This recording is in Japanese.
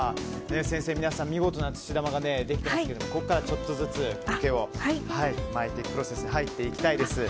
先生、皆さん、見事な土玉ができていますけれどもここからちょっとずつ苔を巻いていくプロセスに入っていきたいです。